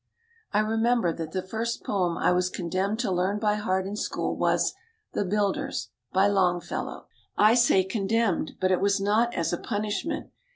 I remember that the first poem I was condemned to learn by heart in school was "The Builders" by Longfel low. I say condemned, but it was not as a punishment.